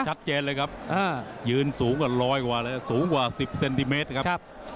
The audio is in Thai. ชัดเจนเลยครับยืนสูงกว่าร้อยกว่าเลยสูงกว่า๑๐เซนติเมตรครับ